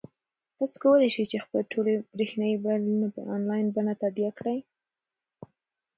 تاسو کولای شئ چې خپلې ټولې برېښنايي بلونه په انلاین بڼه تادیه کړئ.